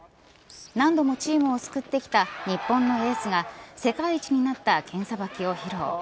何度もチームを救ってきた日本のエースが世界一になった剣さばきを披露。